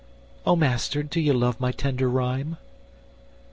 O Master, do ye love my tender rhyme?"